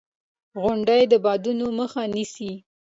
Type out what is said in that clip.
• غونډۍ د بادونو مخه نیسي.